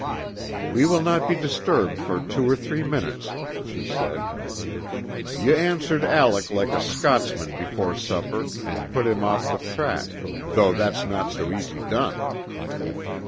"We will no be disturbed for two or three minutes," she said. "Ye answered Alec like a Scotsman before supper and put him off the track, though that's no so easy done."